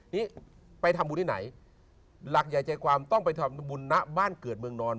นี่ไปทำบุญที่ไหนหลักใหญ่ใจความต้องไปทำบุญณบ้านเกิดเมืองนอน